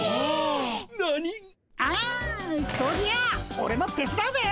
オレもてつだうぜ！